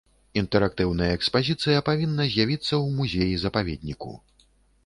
Інтэрактыўная экспазіцыя павінна з'явіцца ў музеі-запаведніку.